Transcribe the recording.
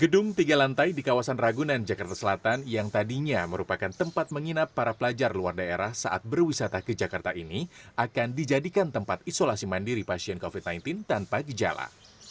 gedung tiga lantai di kawasan ragunan jakarta selatan yang tadinya merupakan tempat menginap para pelajar luar daerah saat berwisata ke jakarta ini akan dijadikan tempat isolasi mandiri pasien covid sembilan belas tanpa gejala